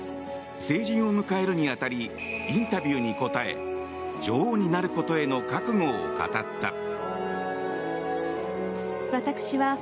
成人を迎えるに当たりインタビューに答え女王になることへの覚悟を語った。